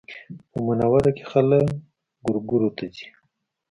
په منوره کې خلک ګورګورو ته ځي